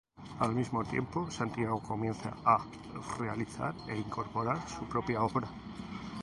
Al mismo tiempo Santiago comienza a realizar e incorporar su propia obra.